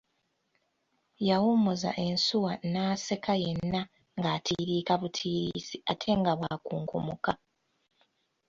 Yawummuza ensuwa naseka yenna ng’atiiriika butiirisi ate nga bw’akunkumuka.